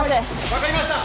分かりました。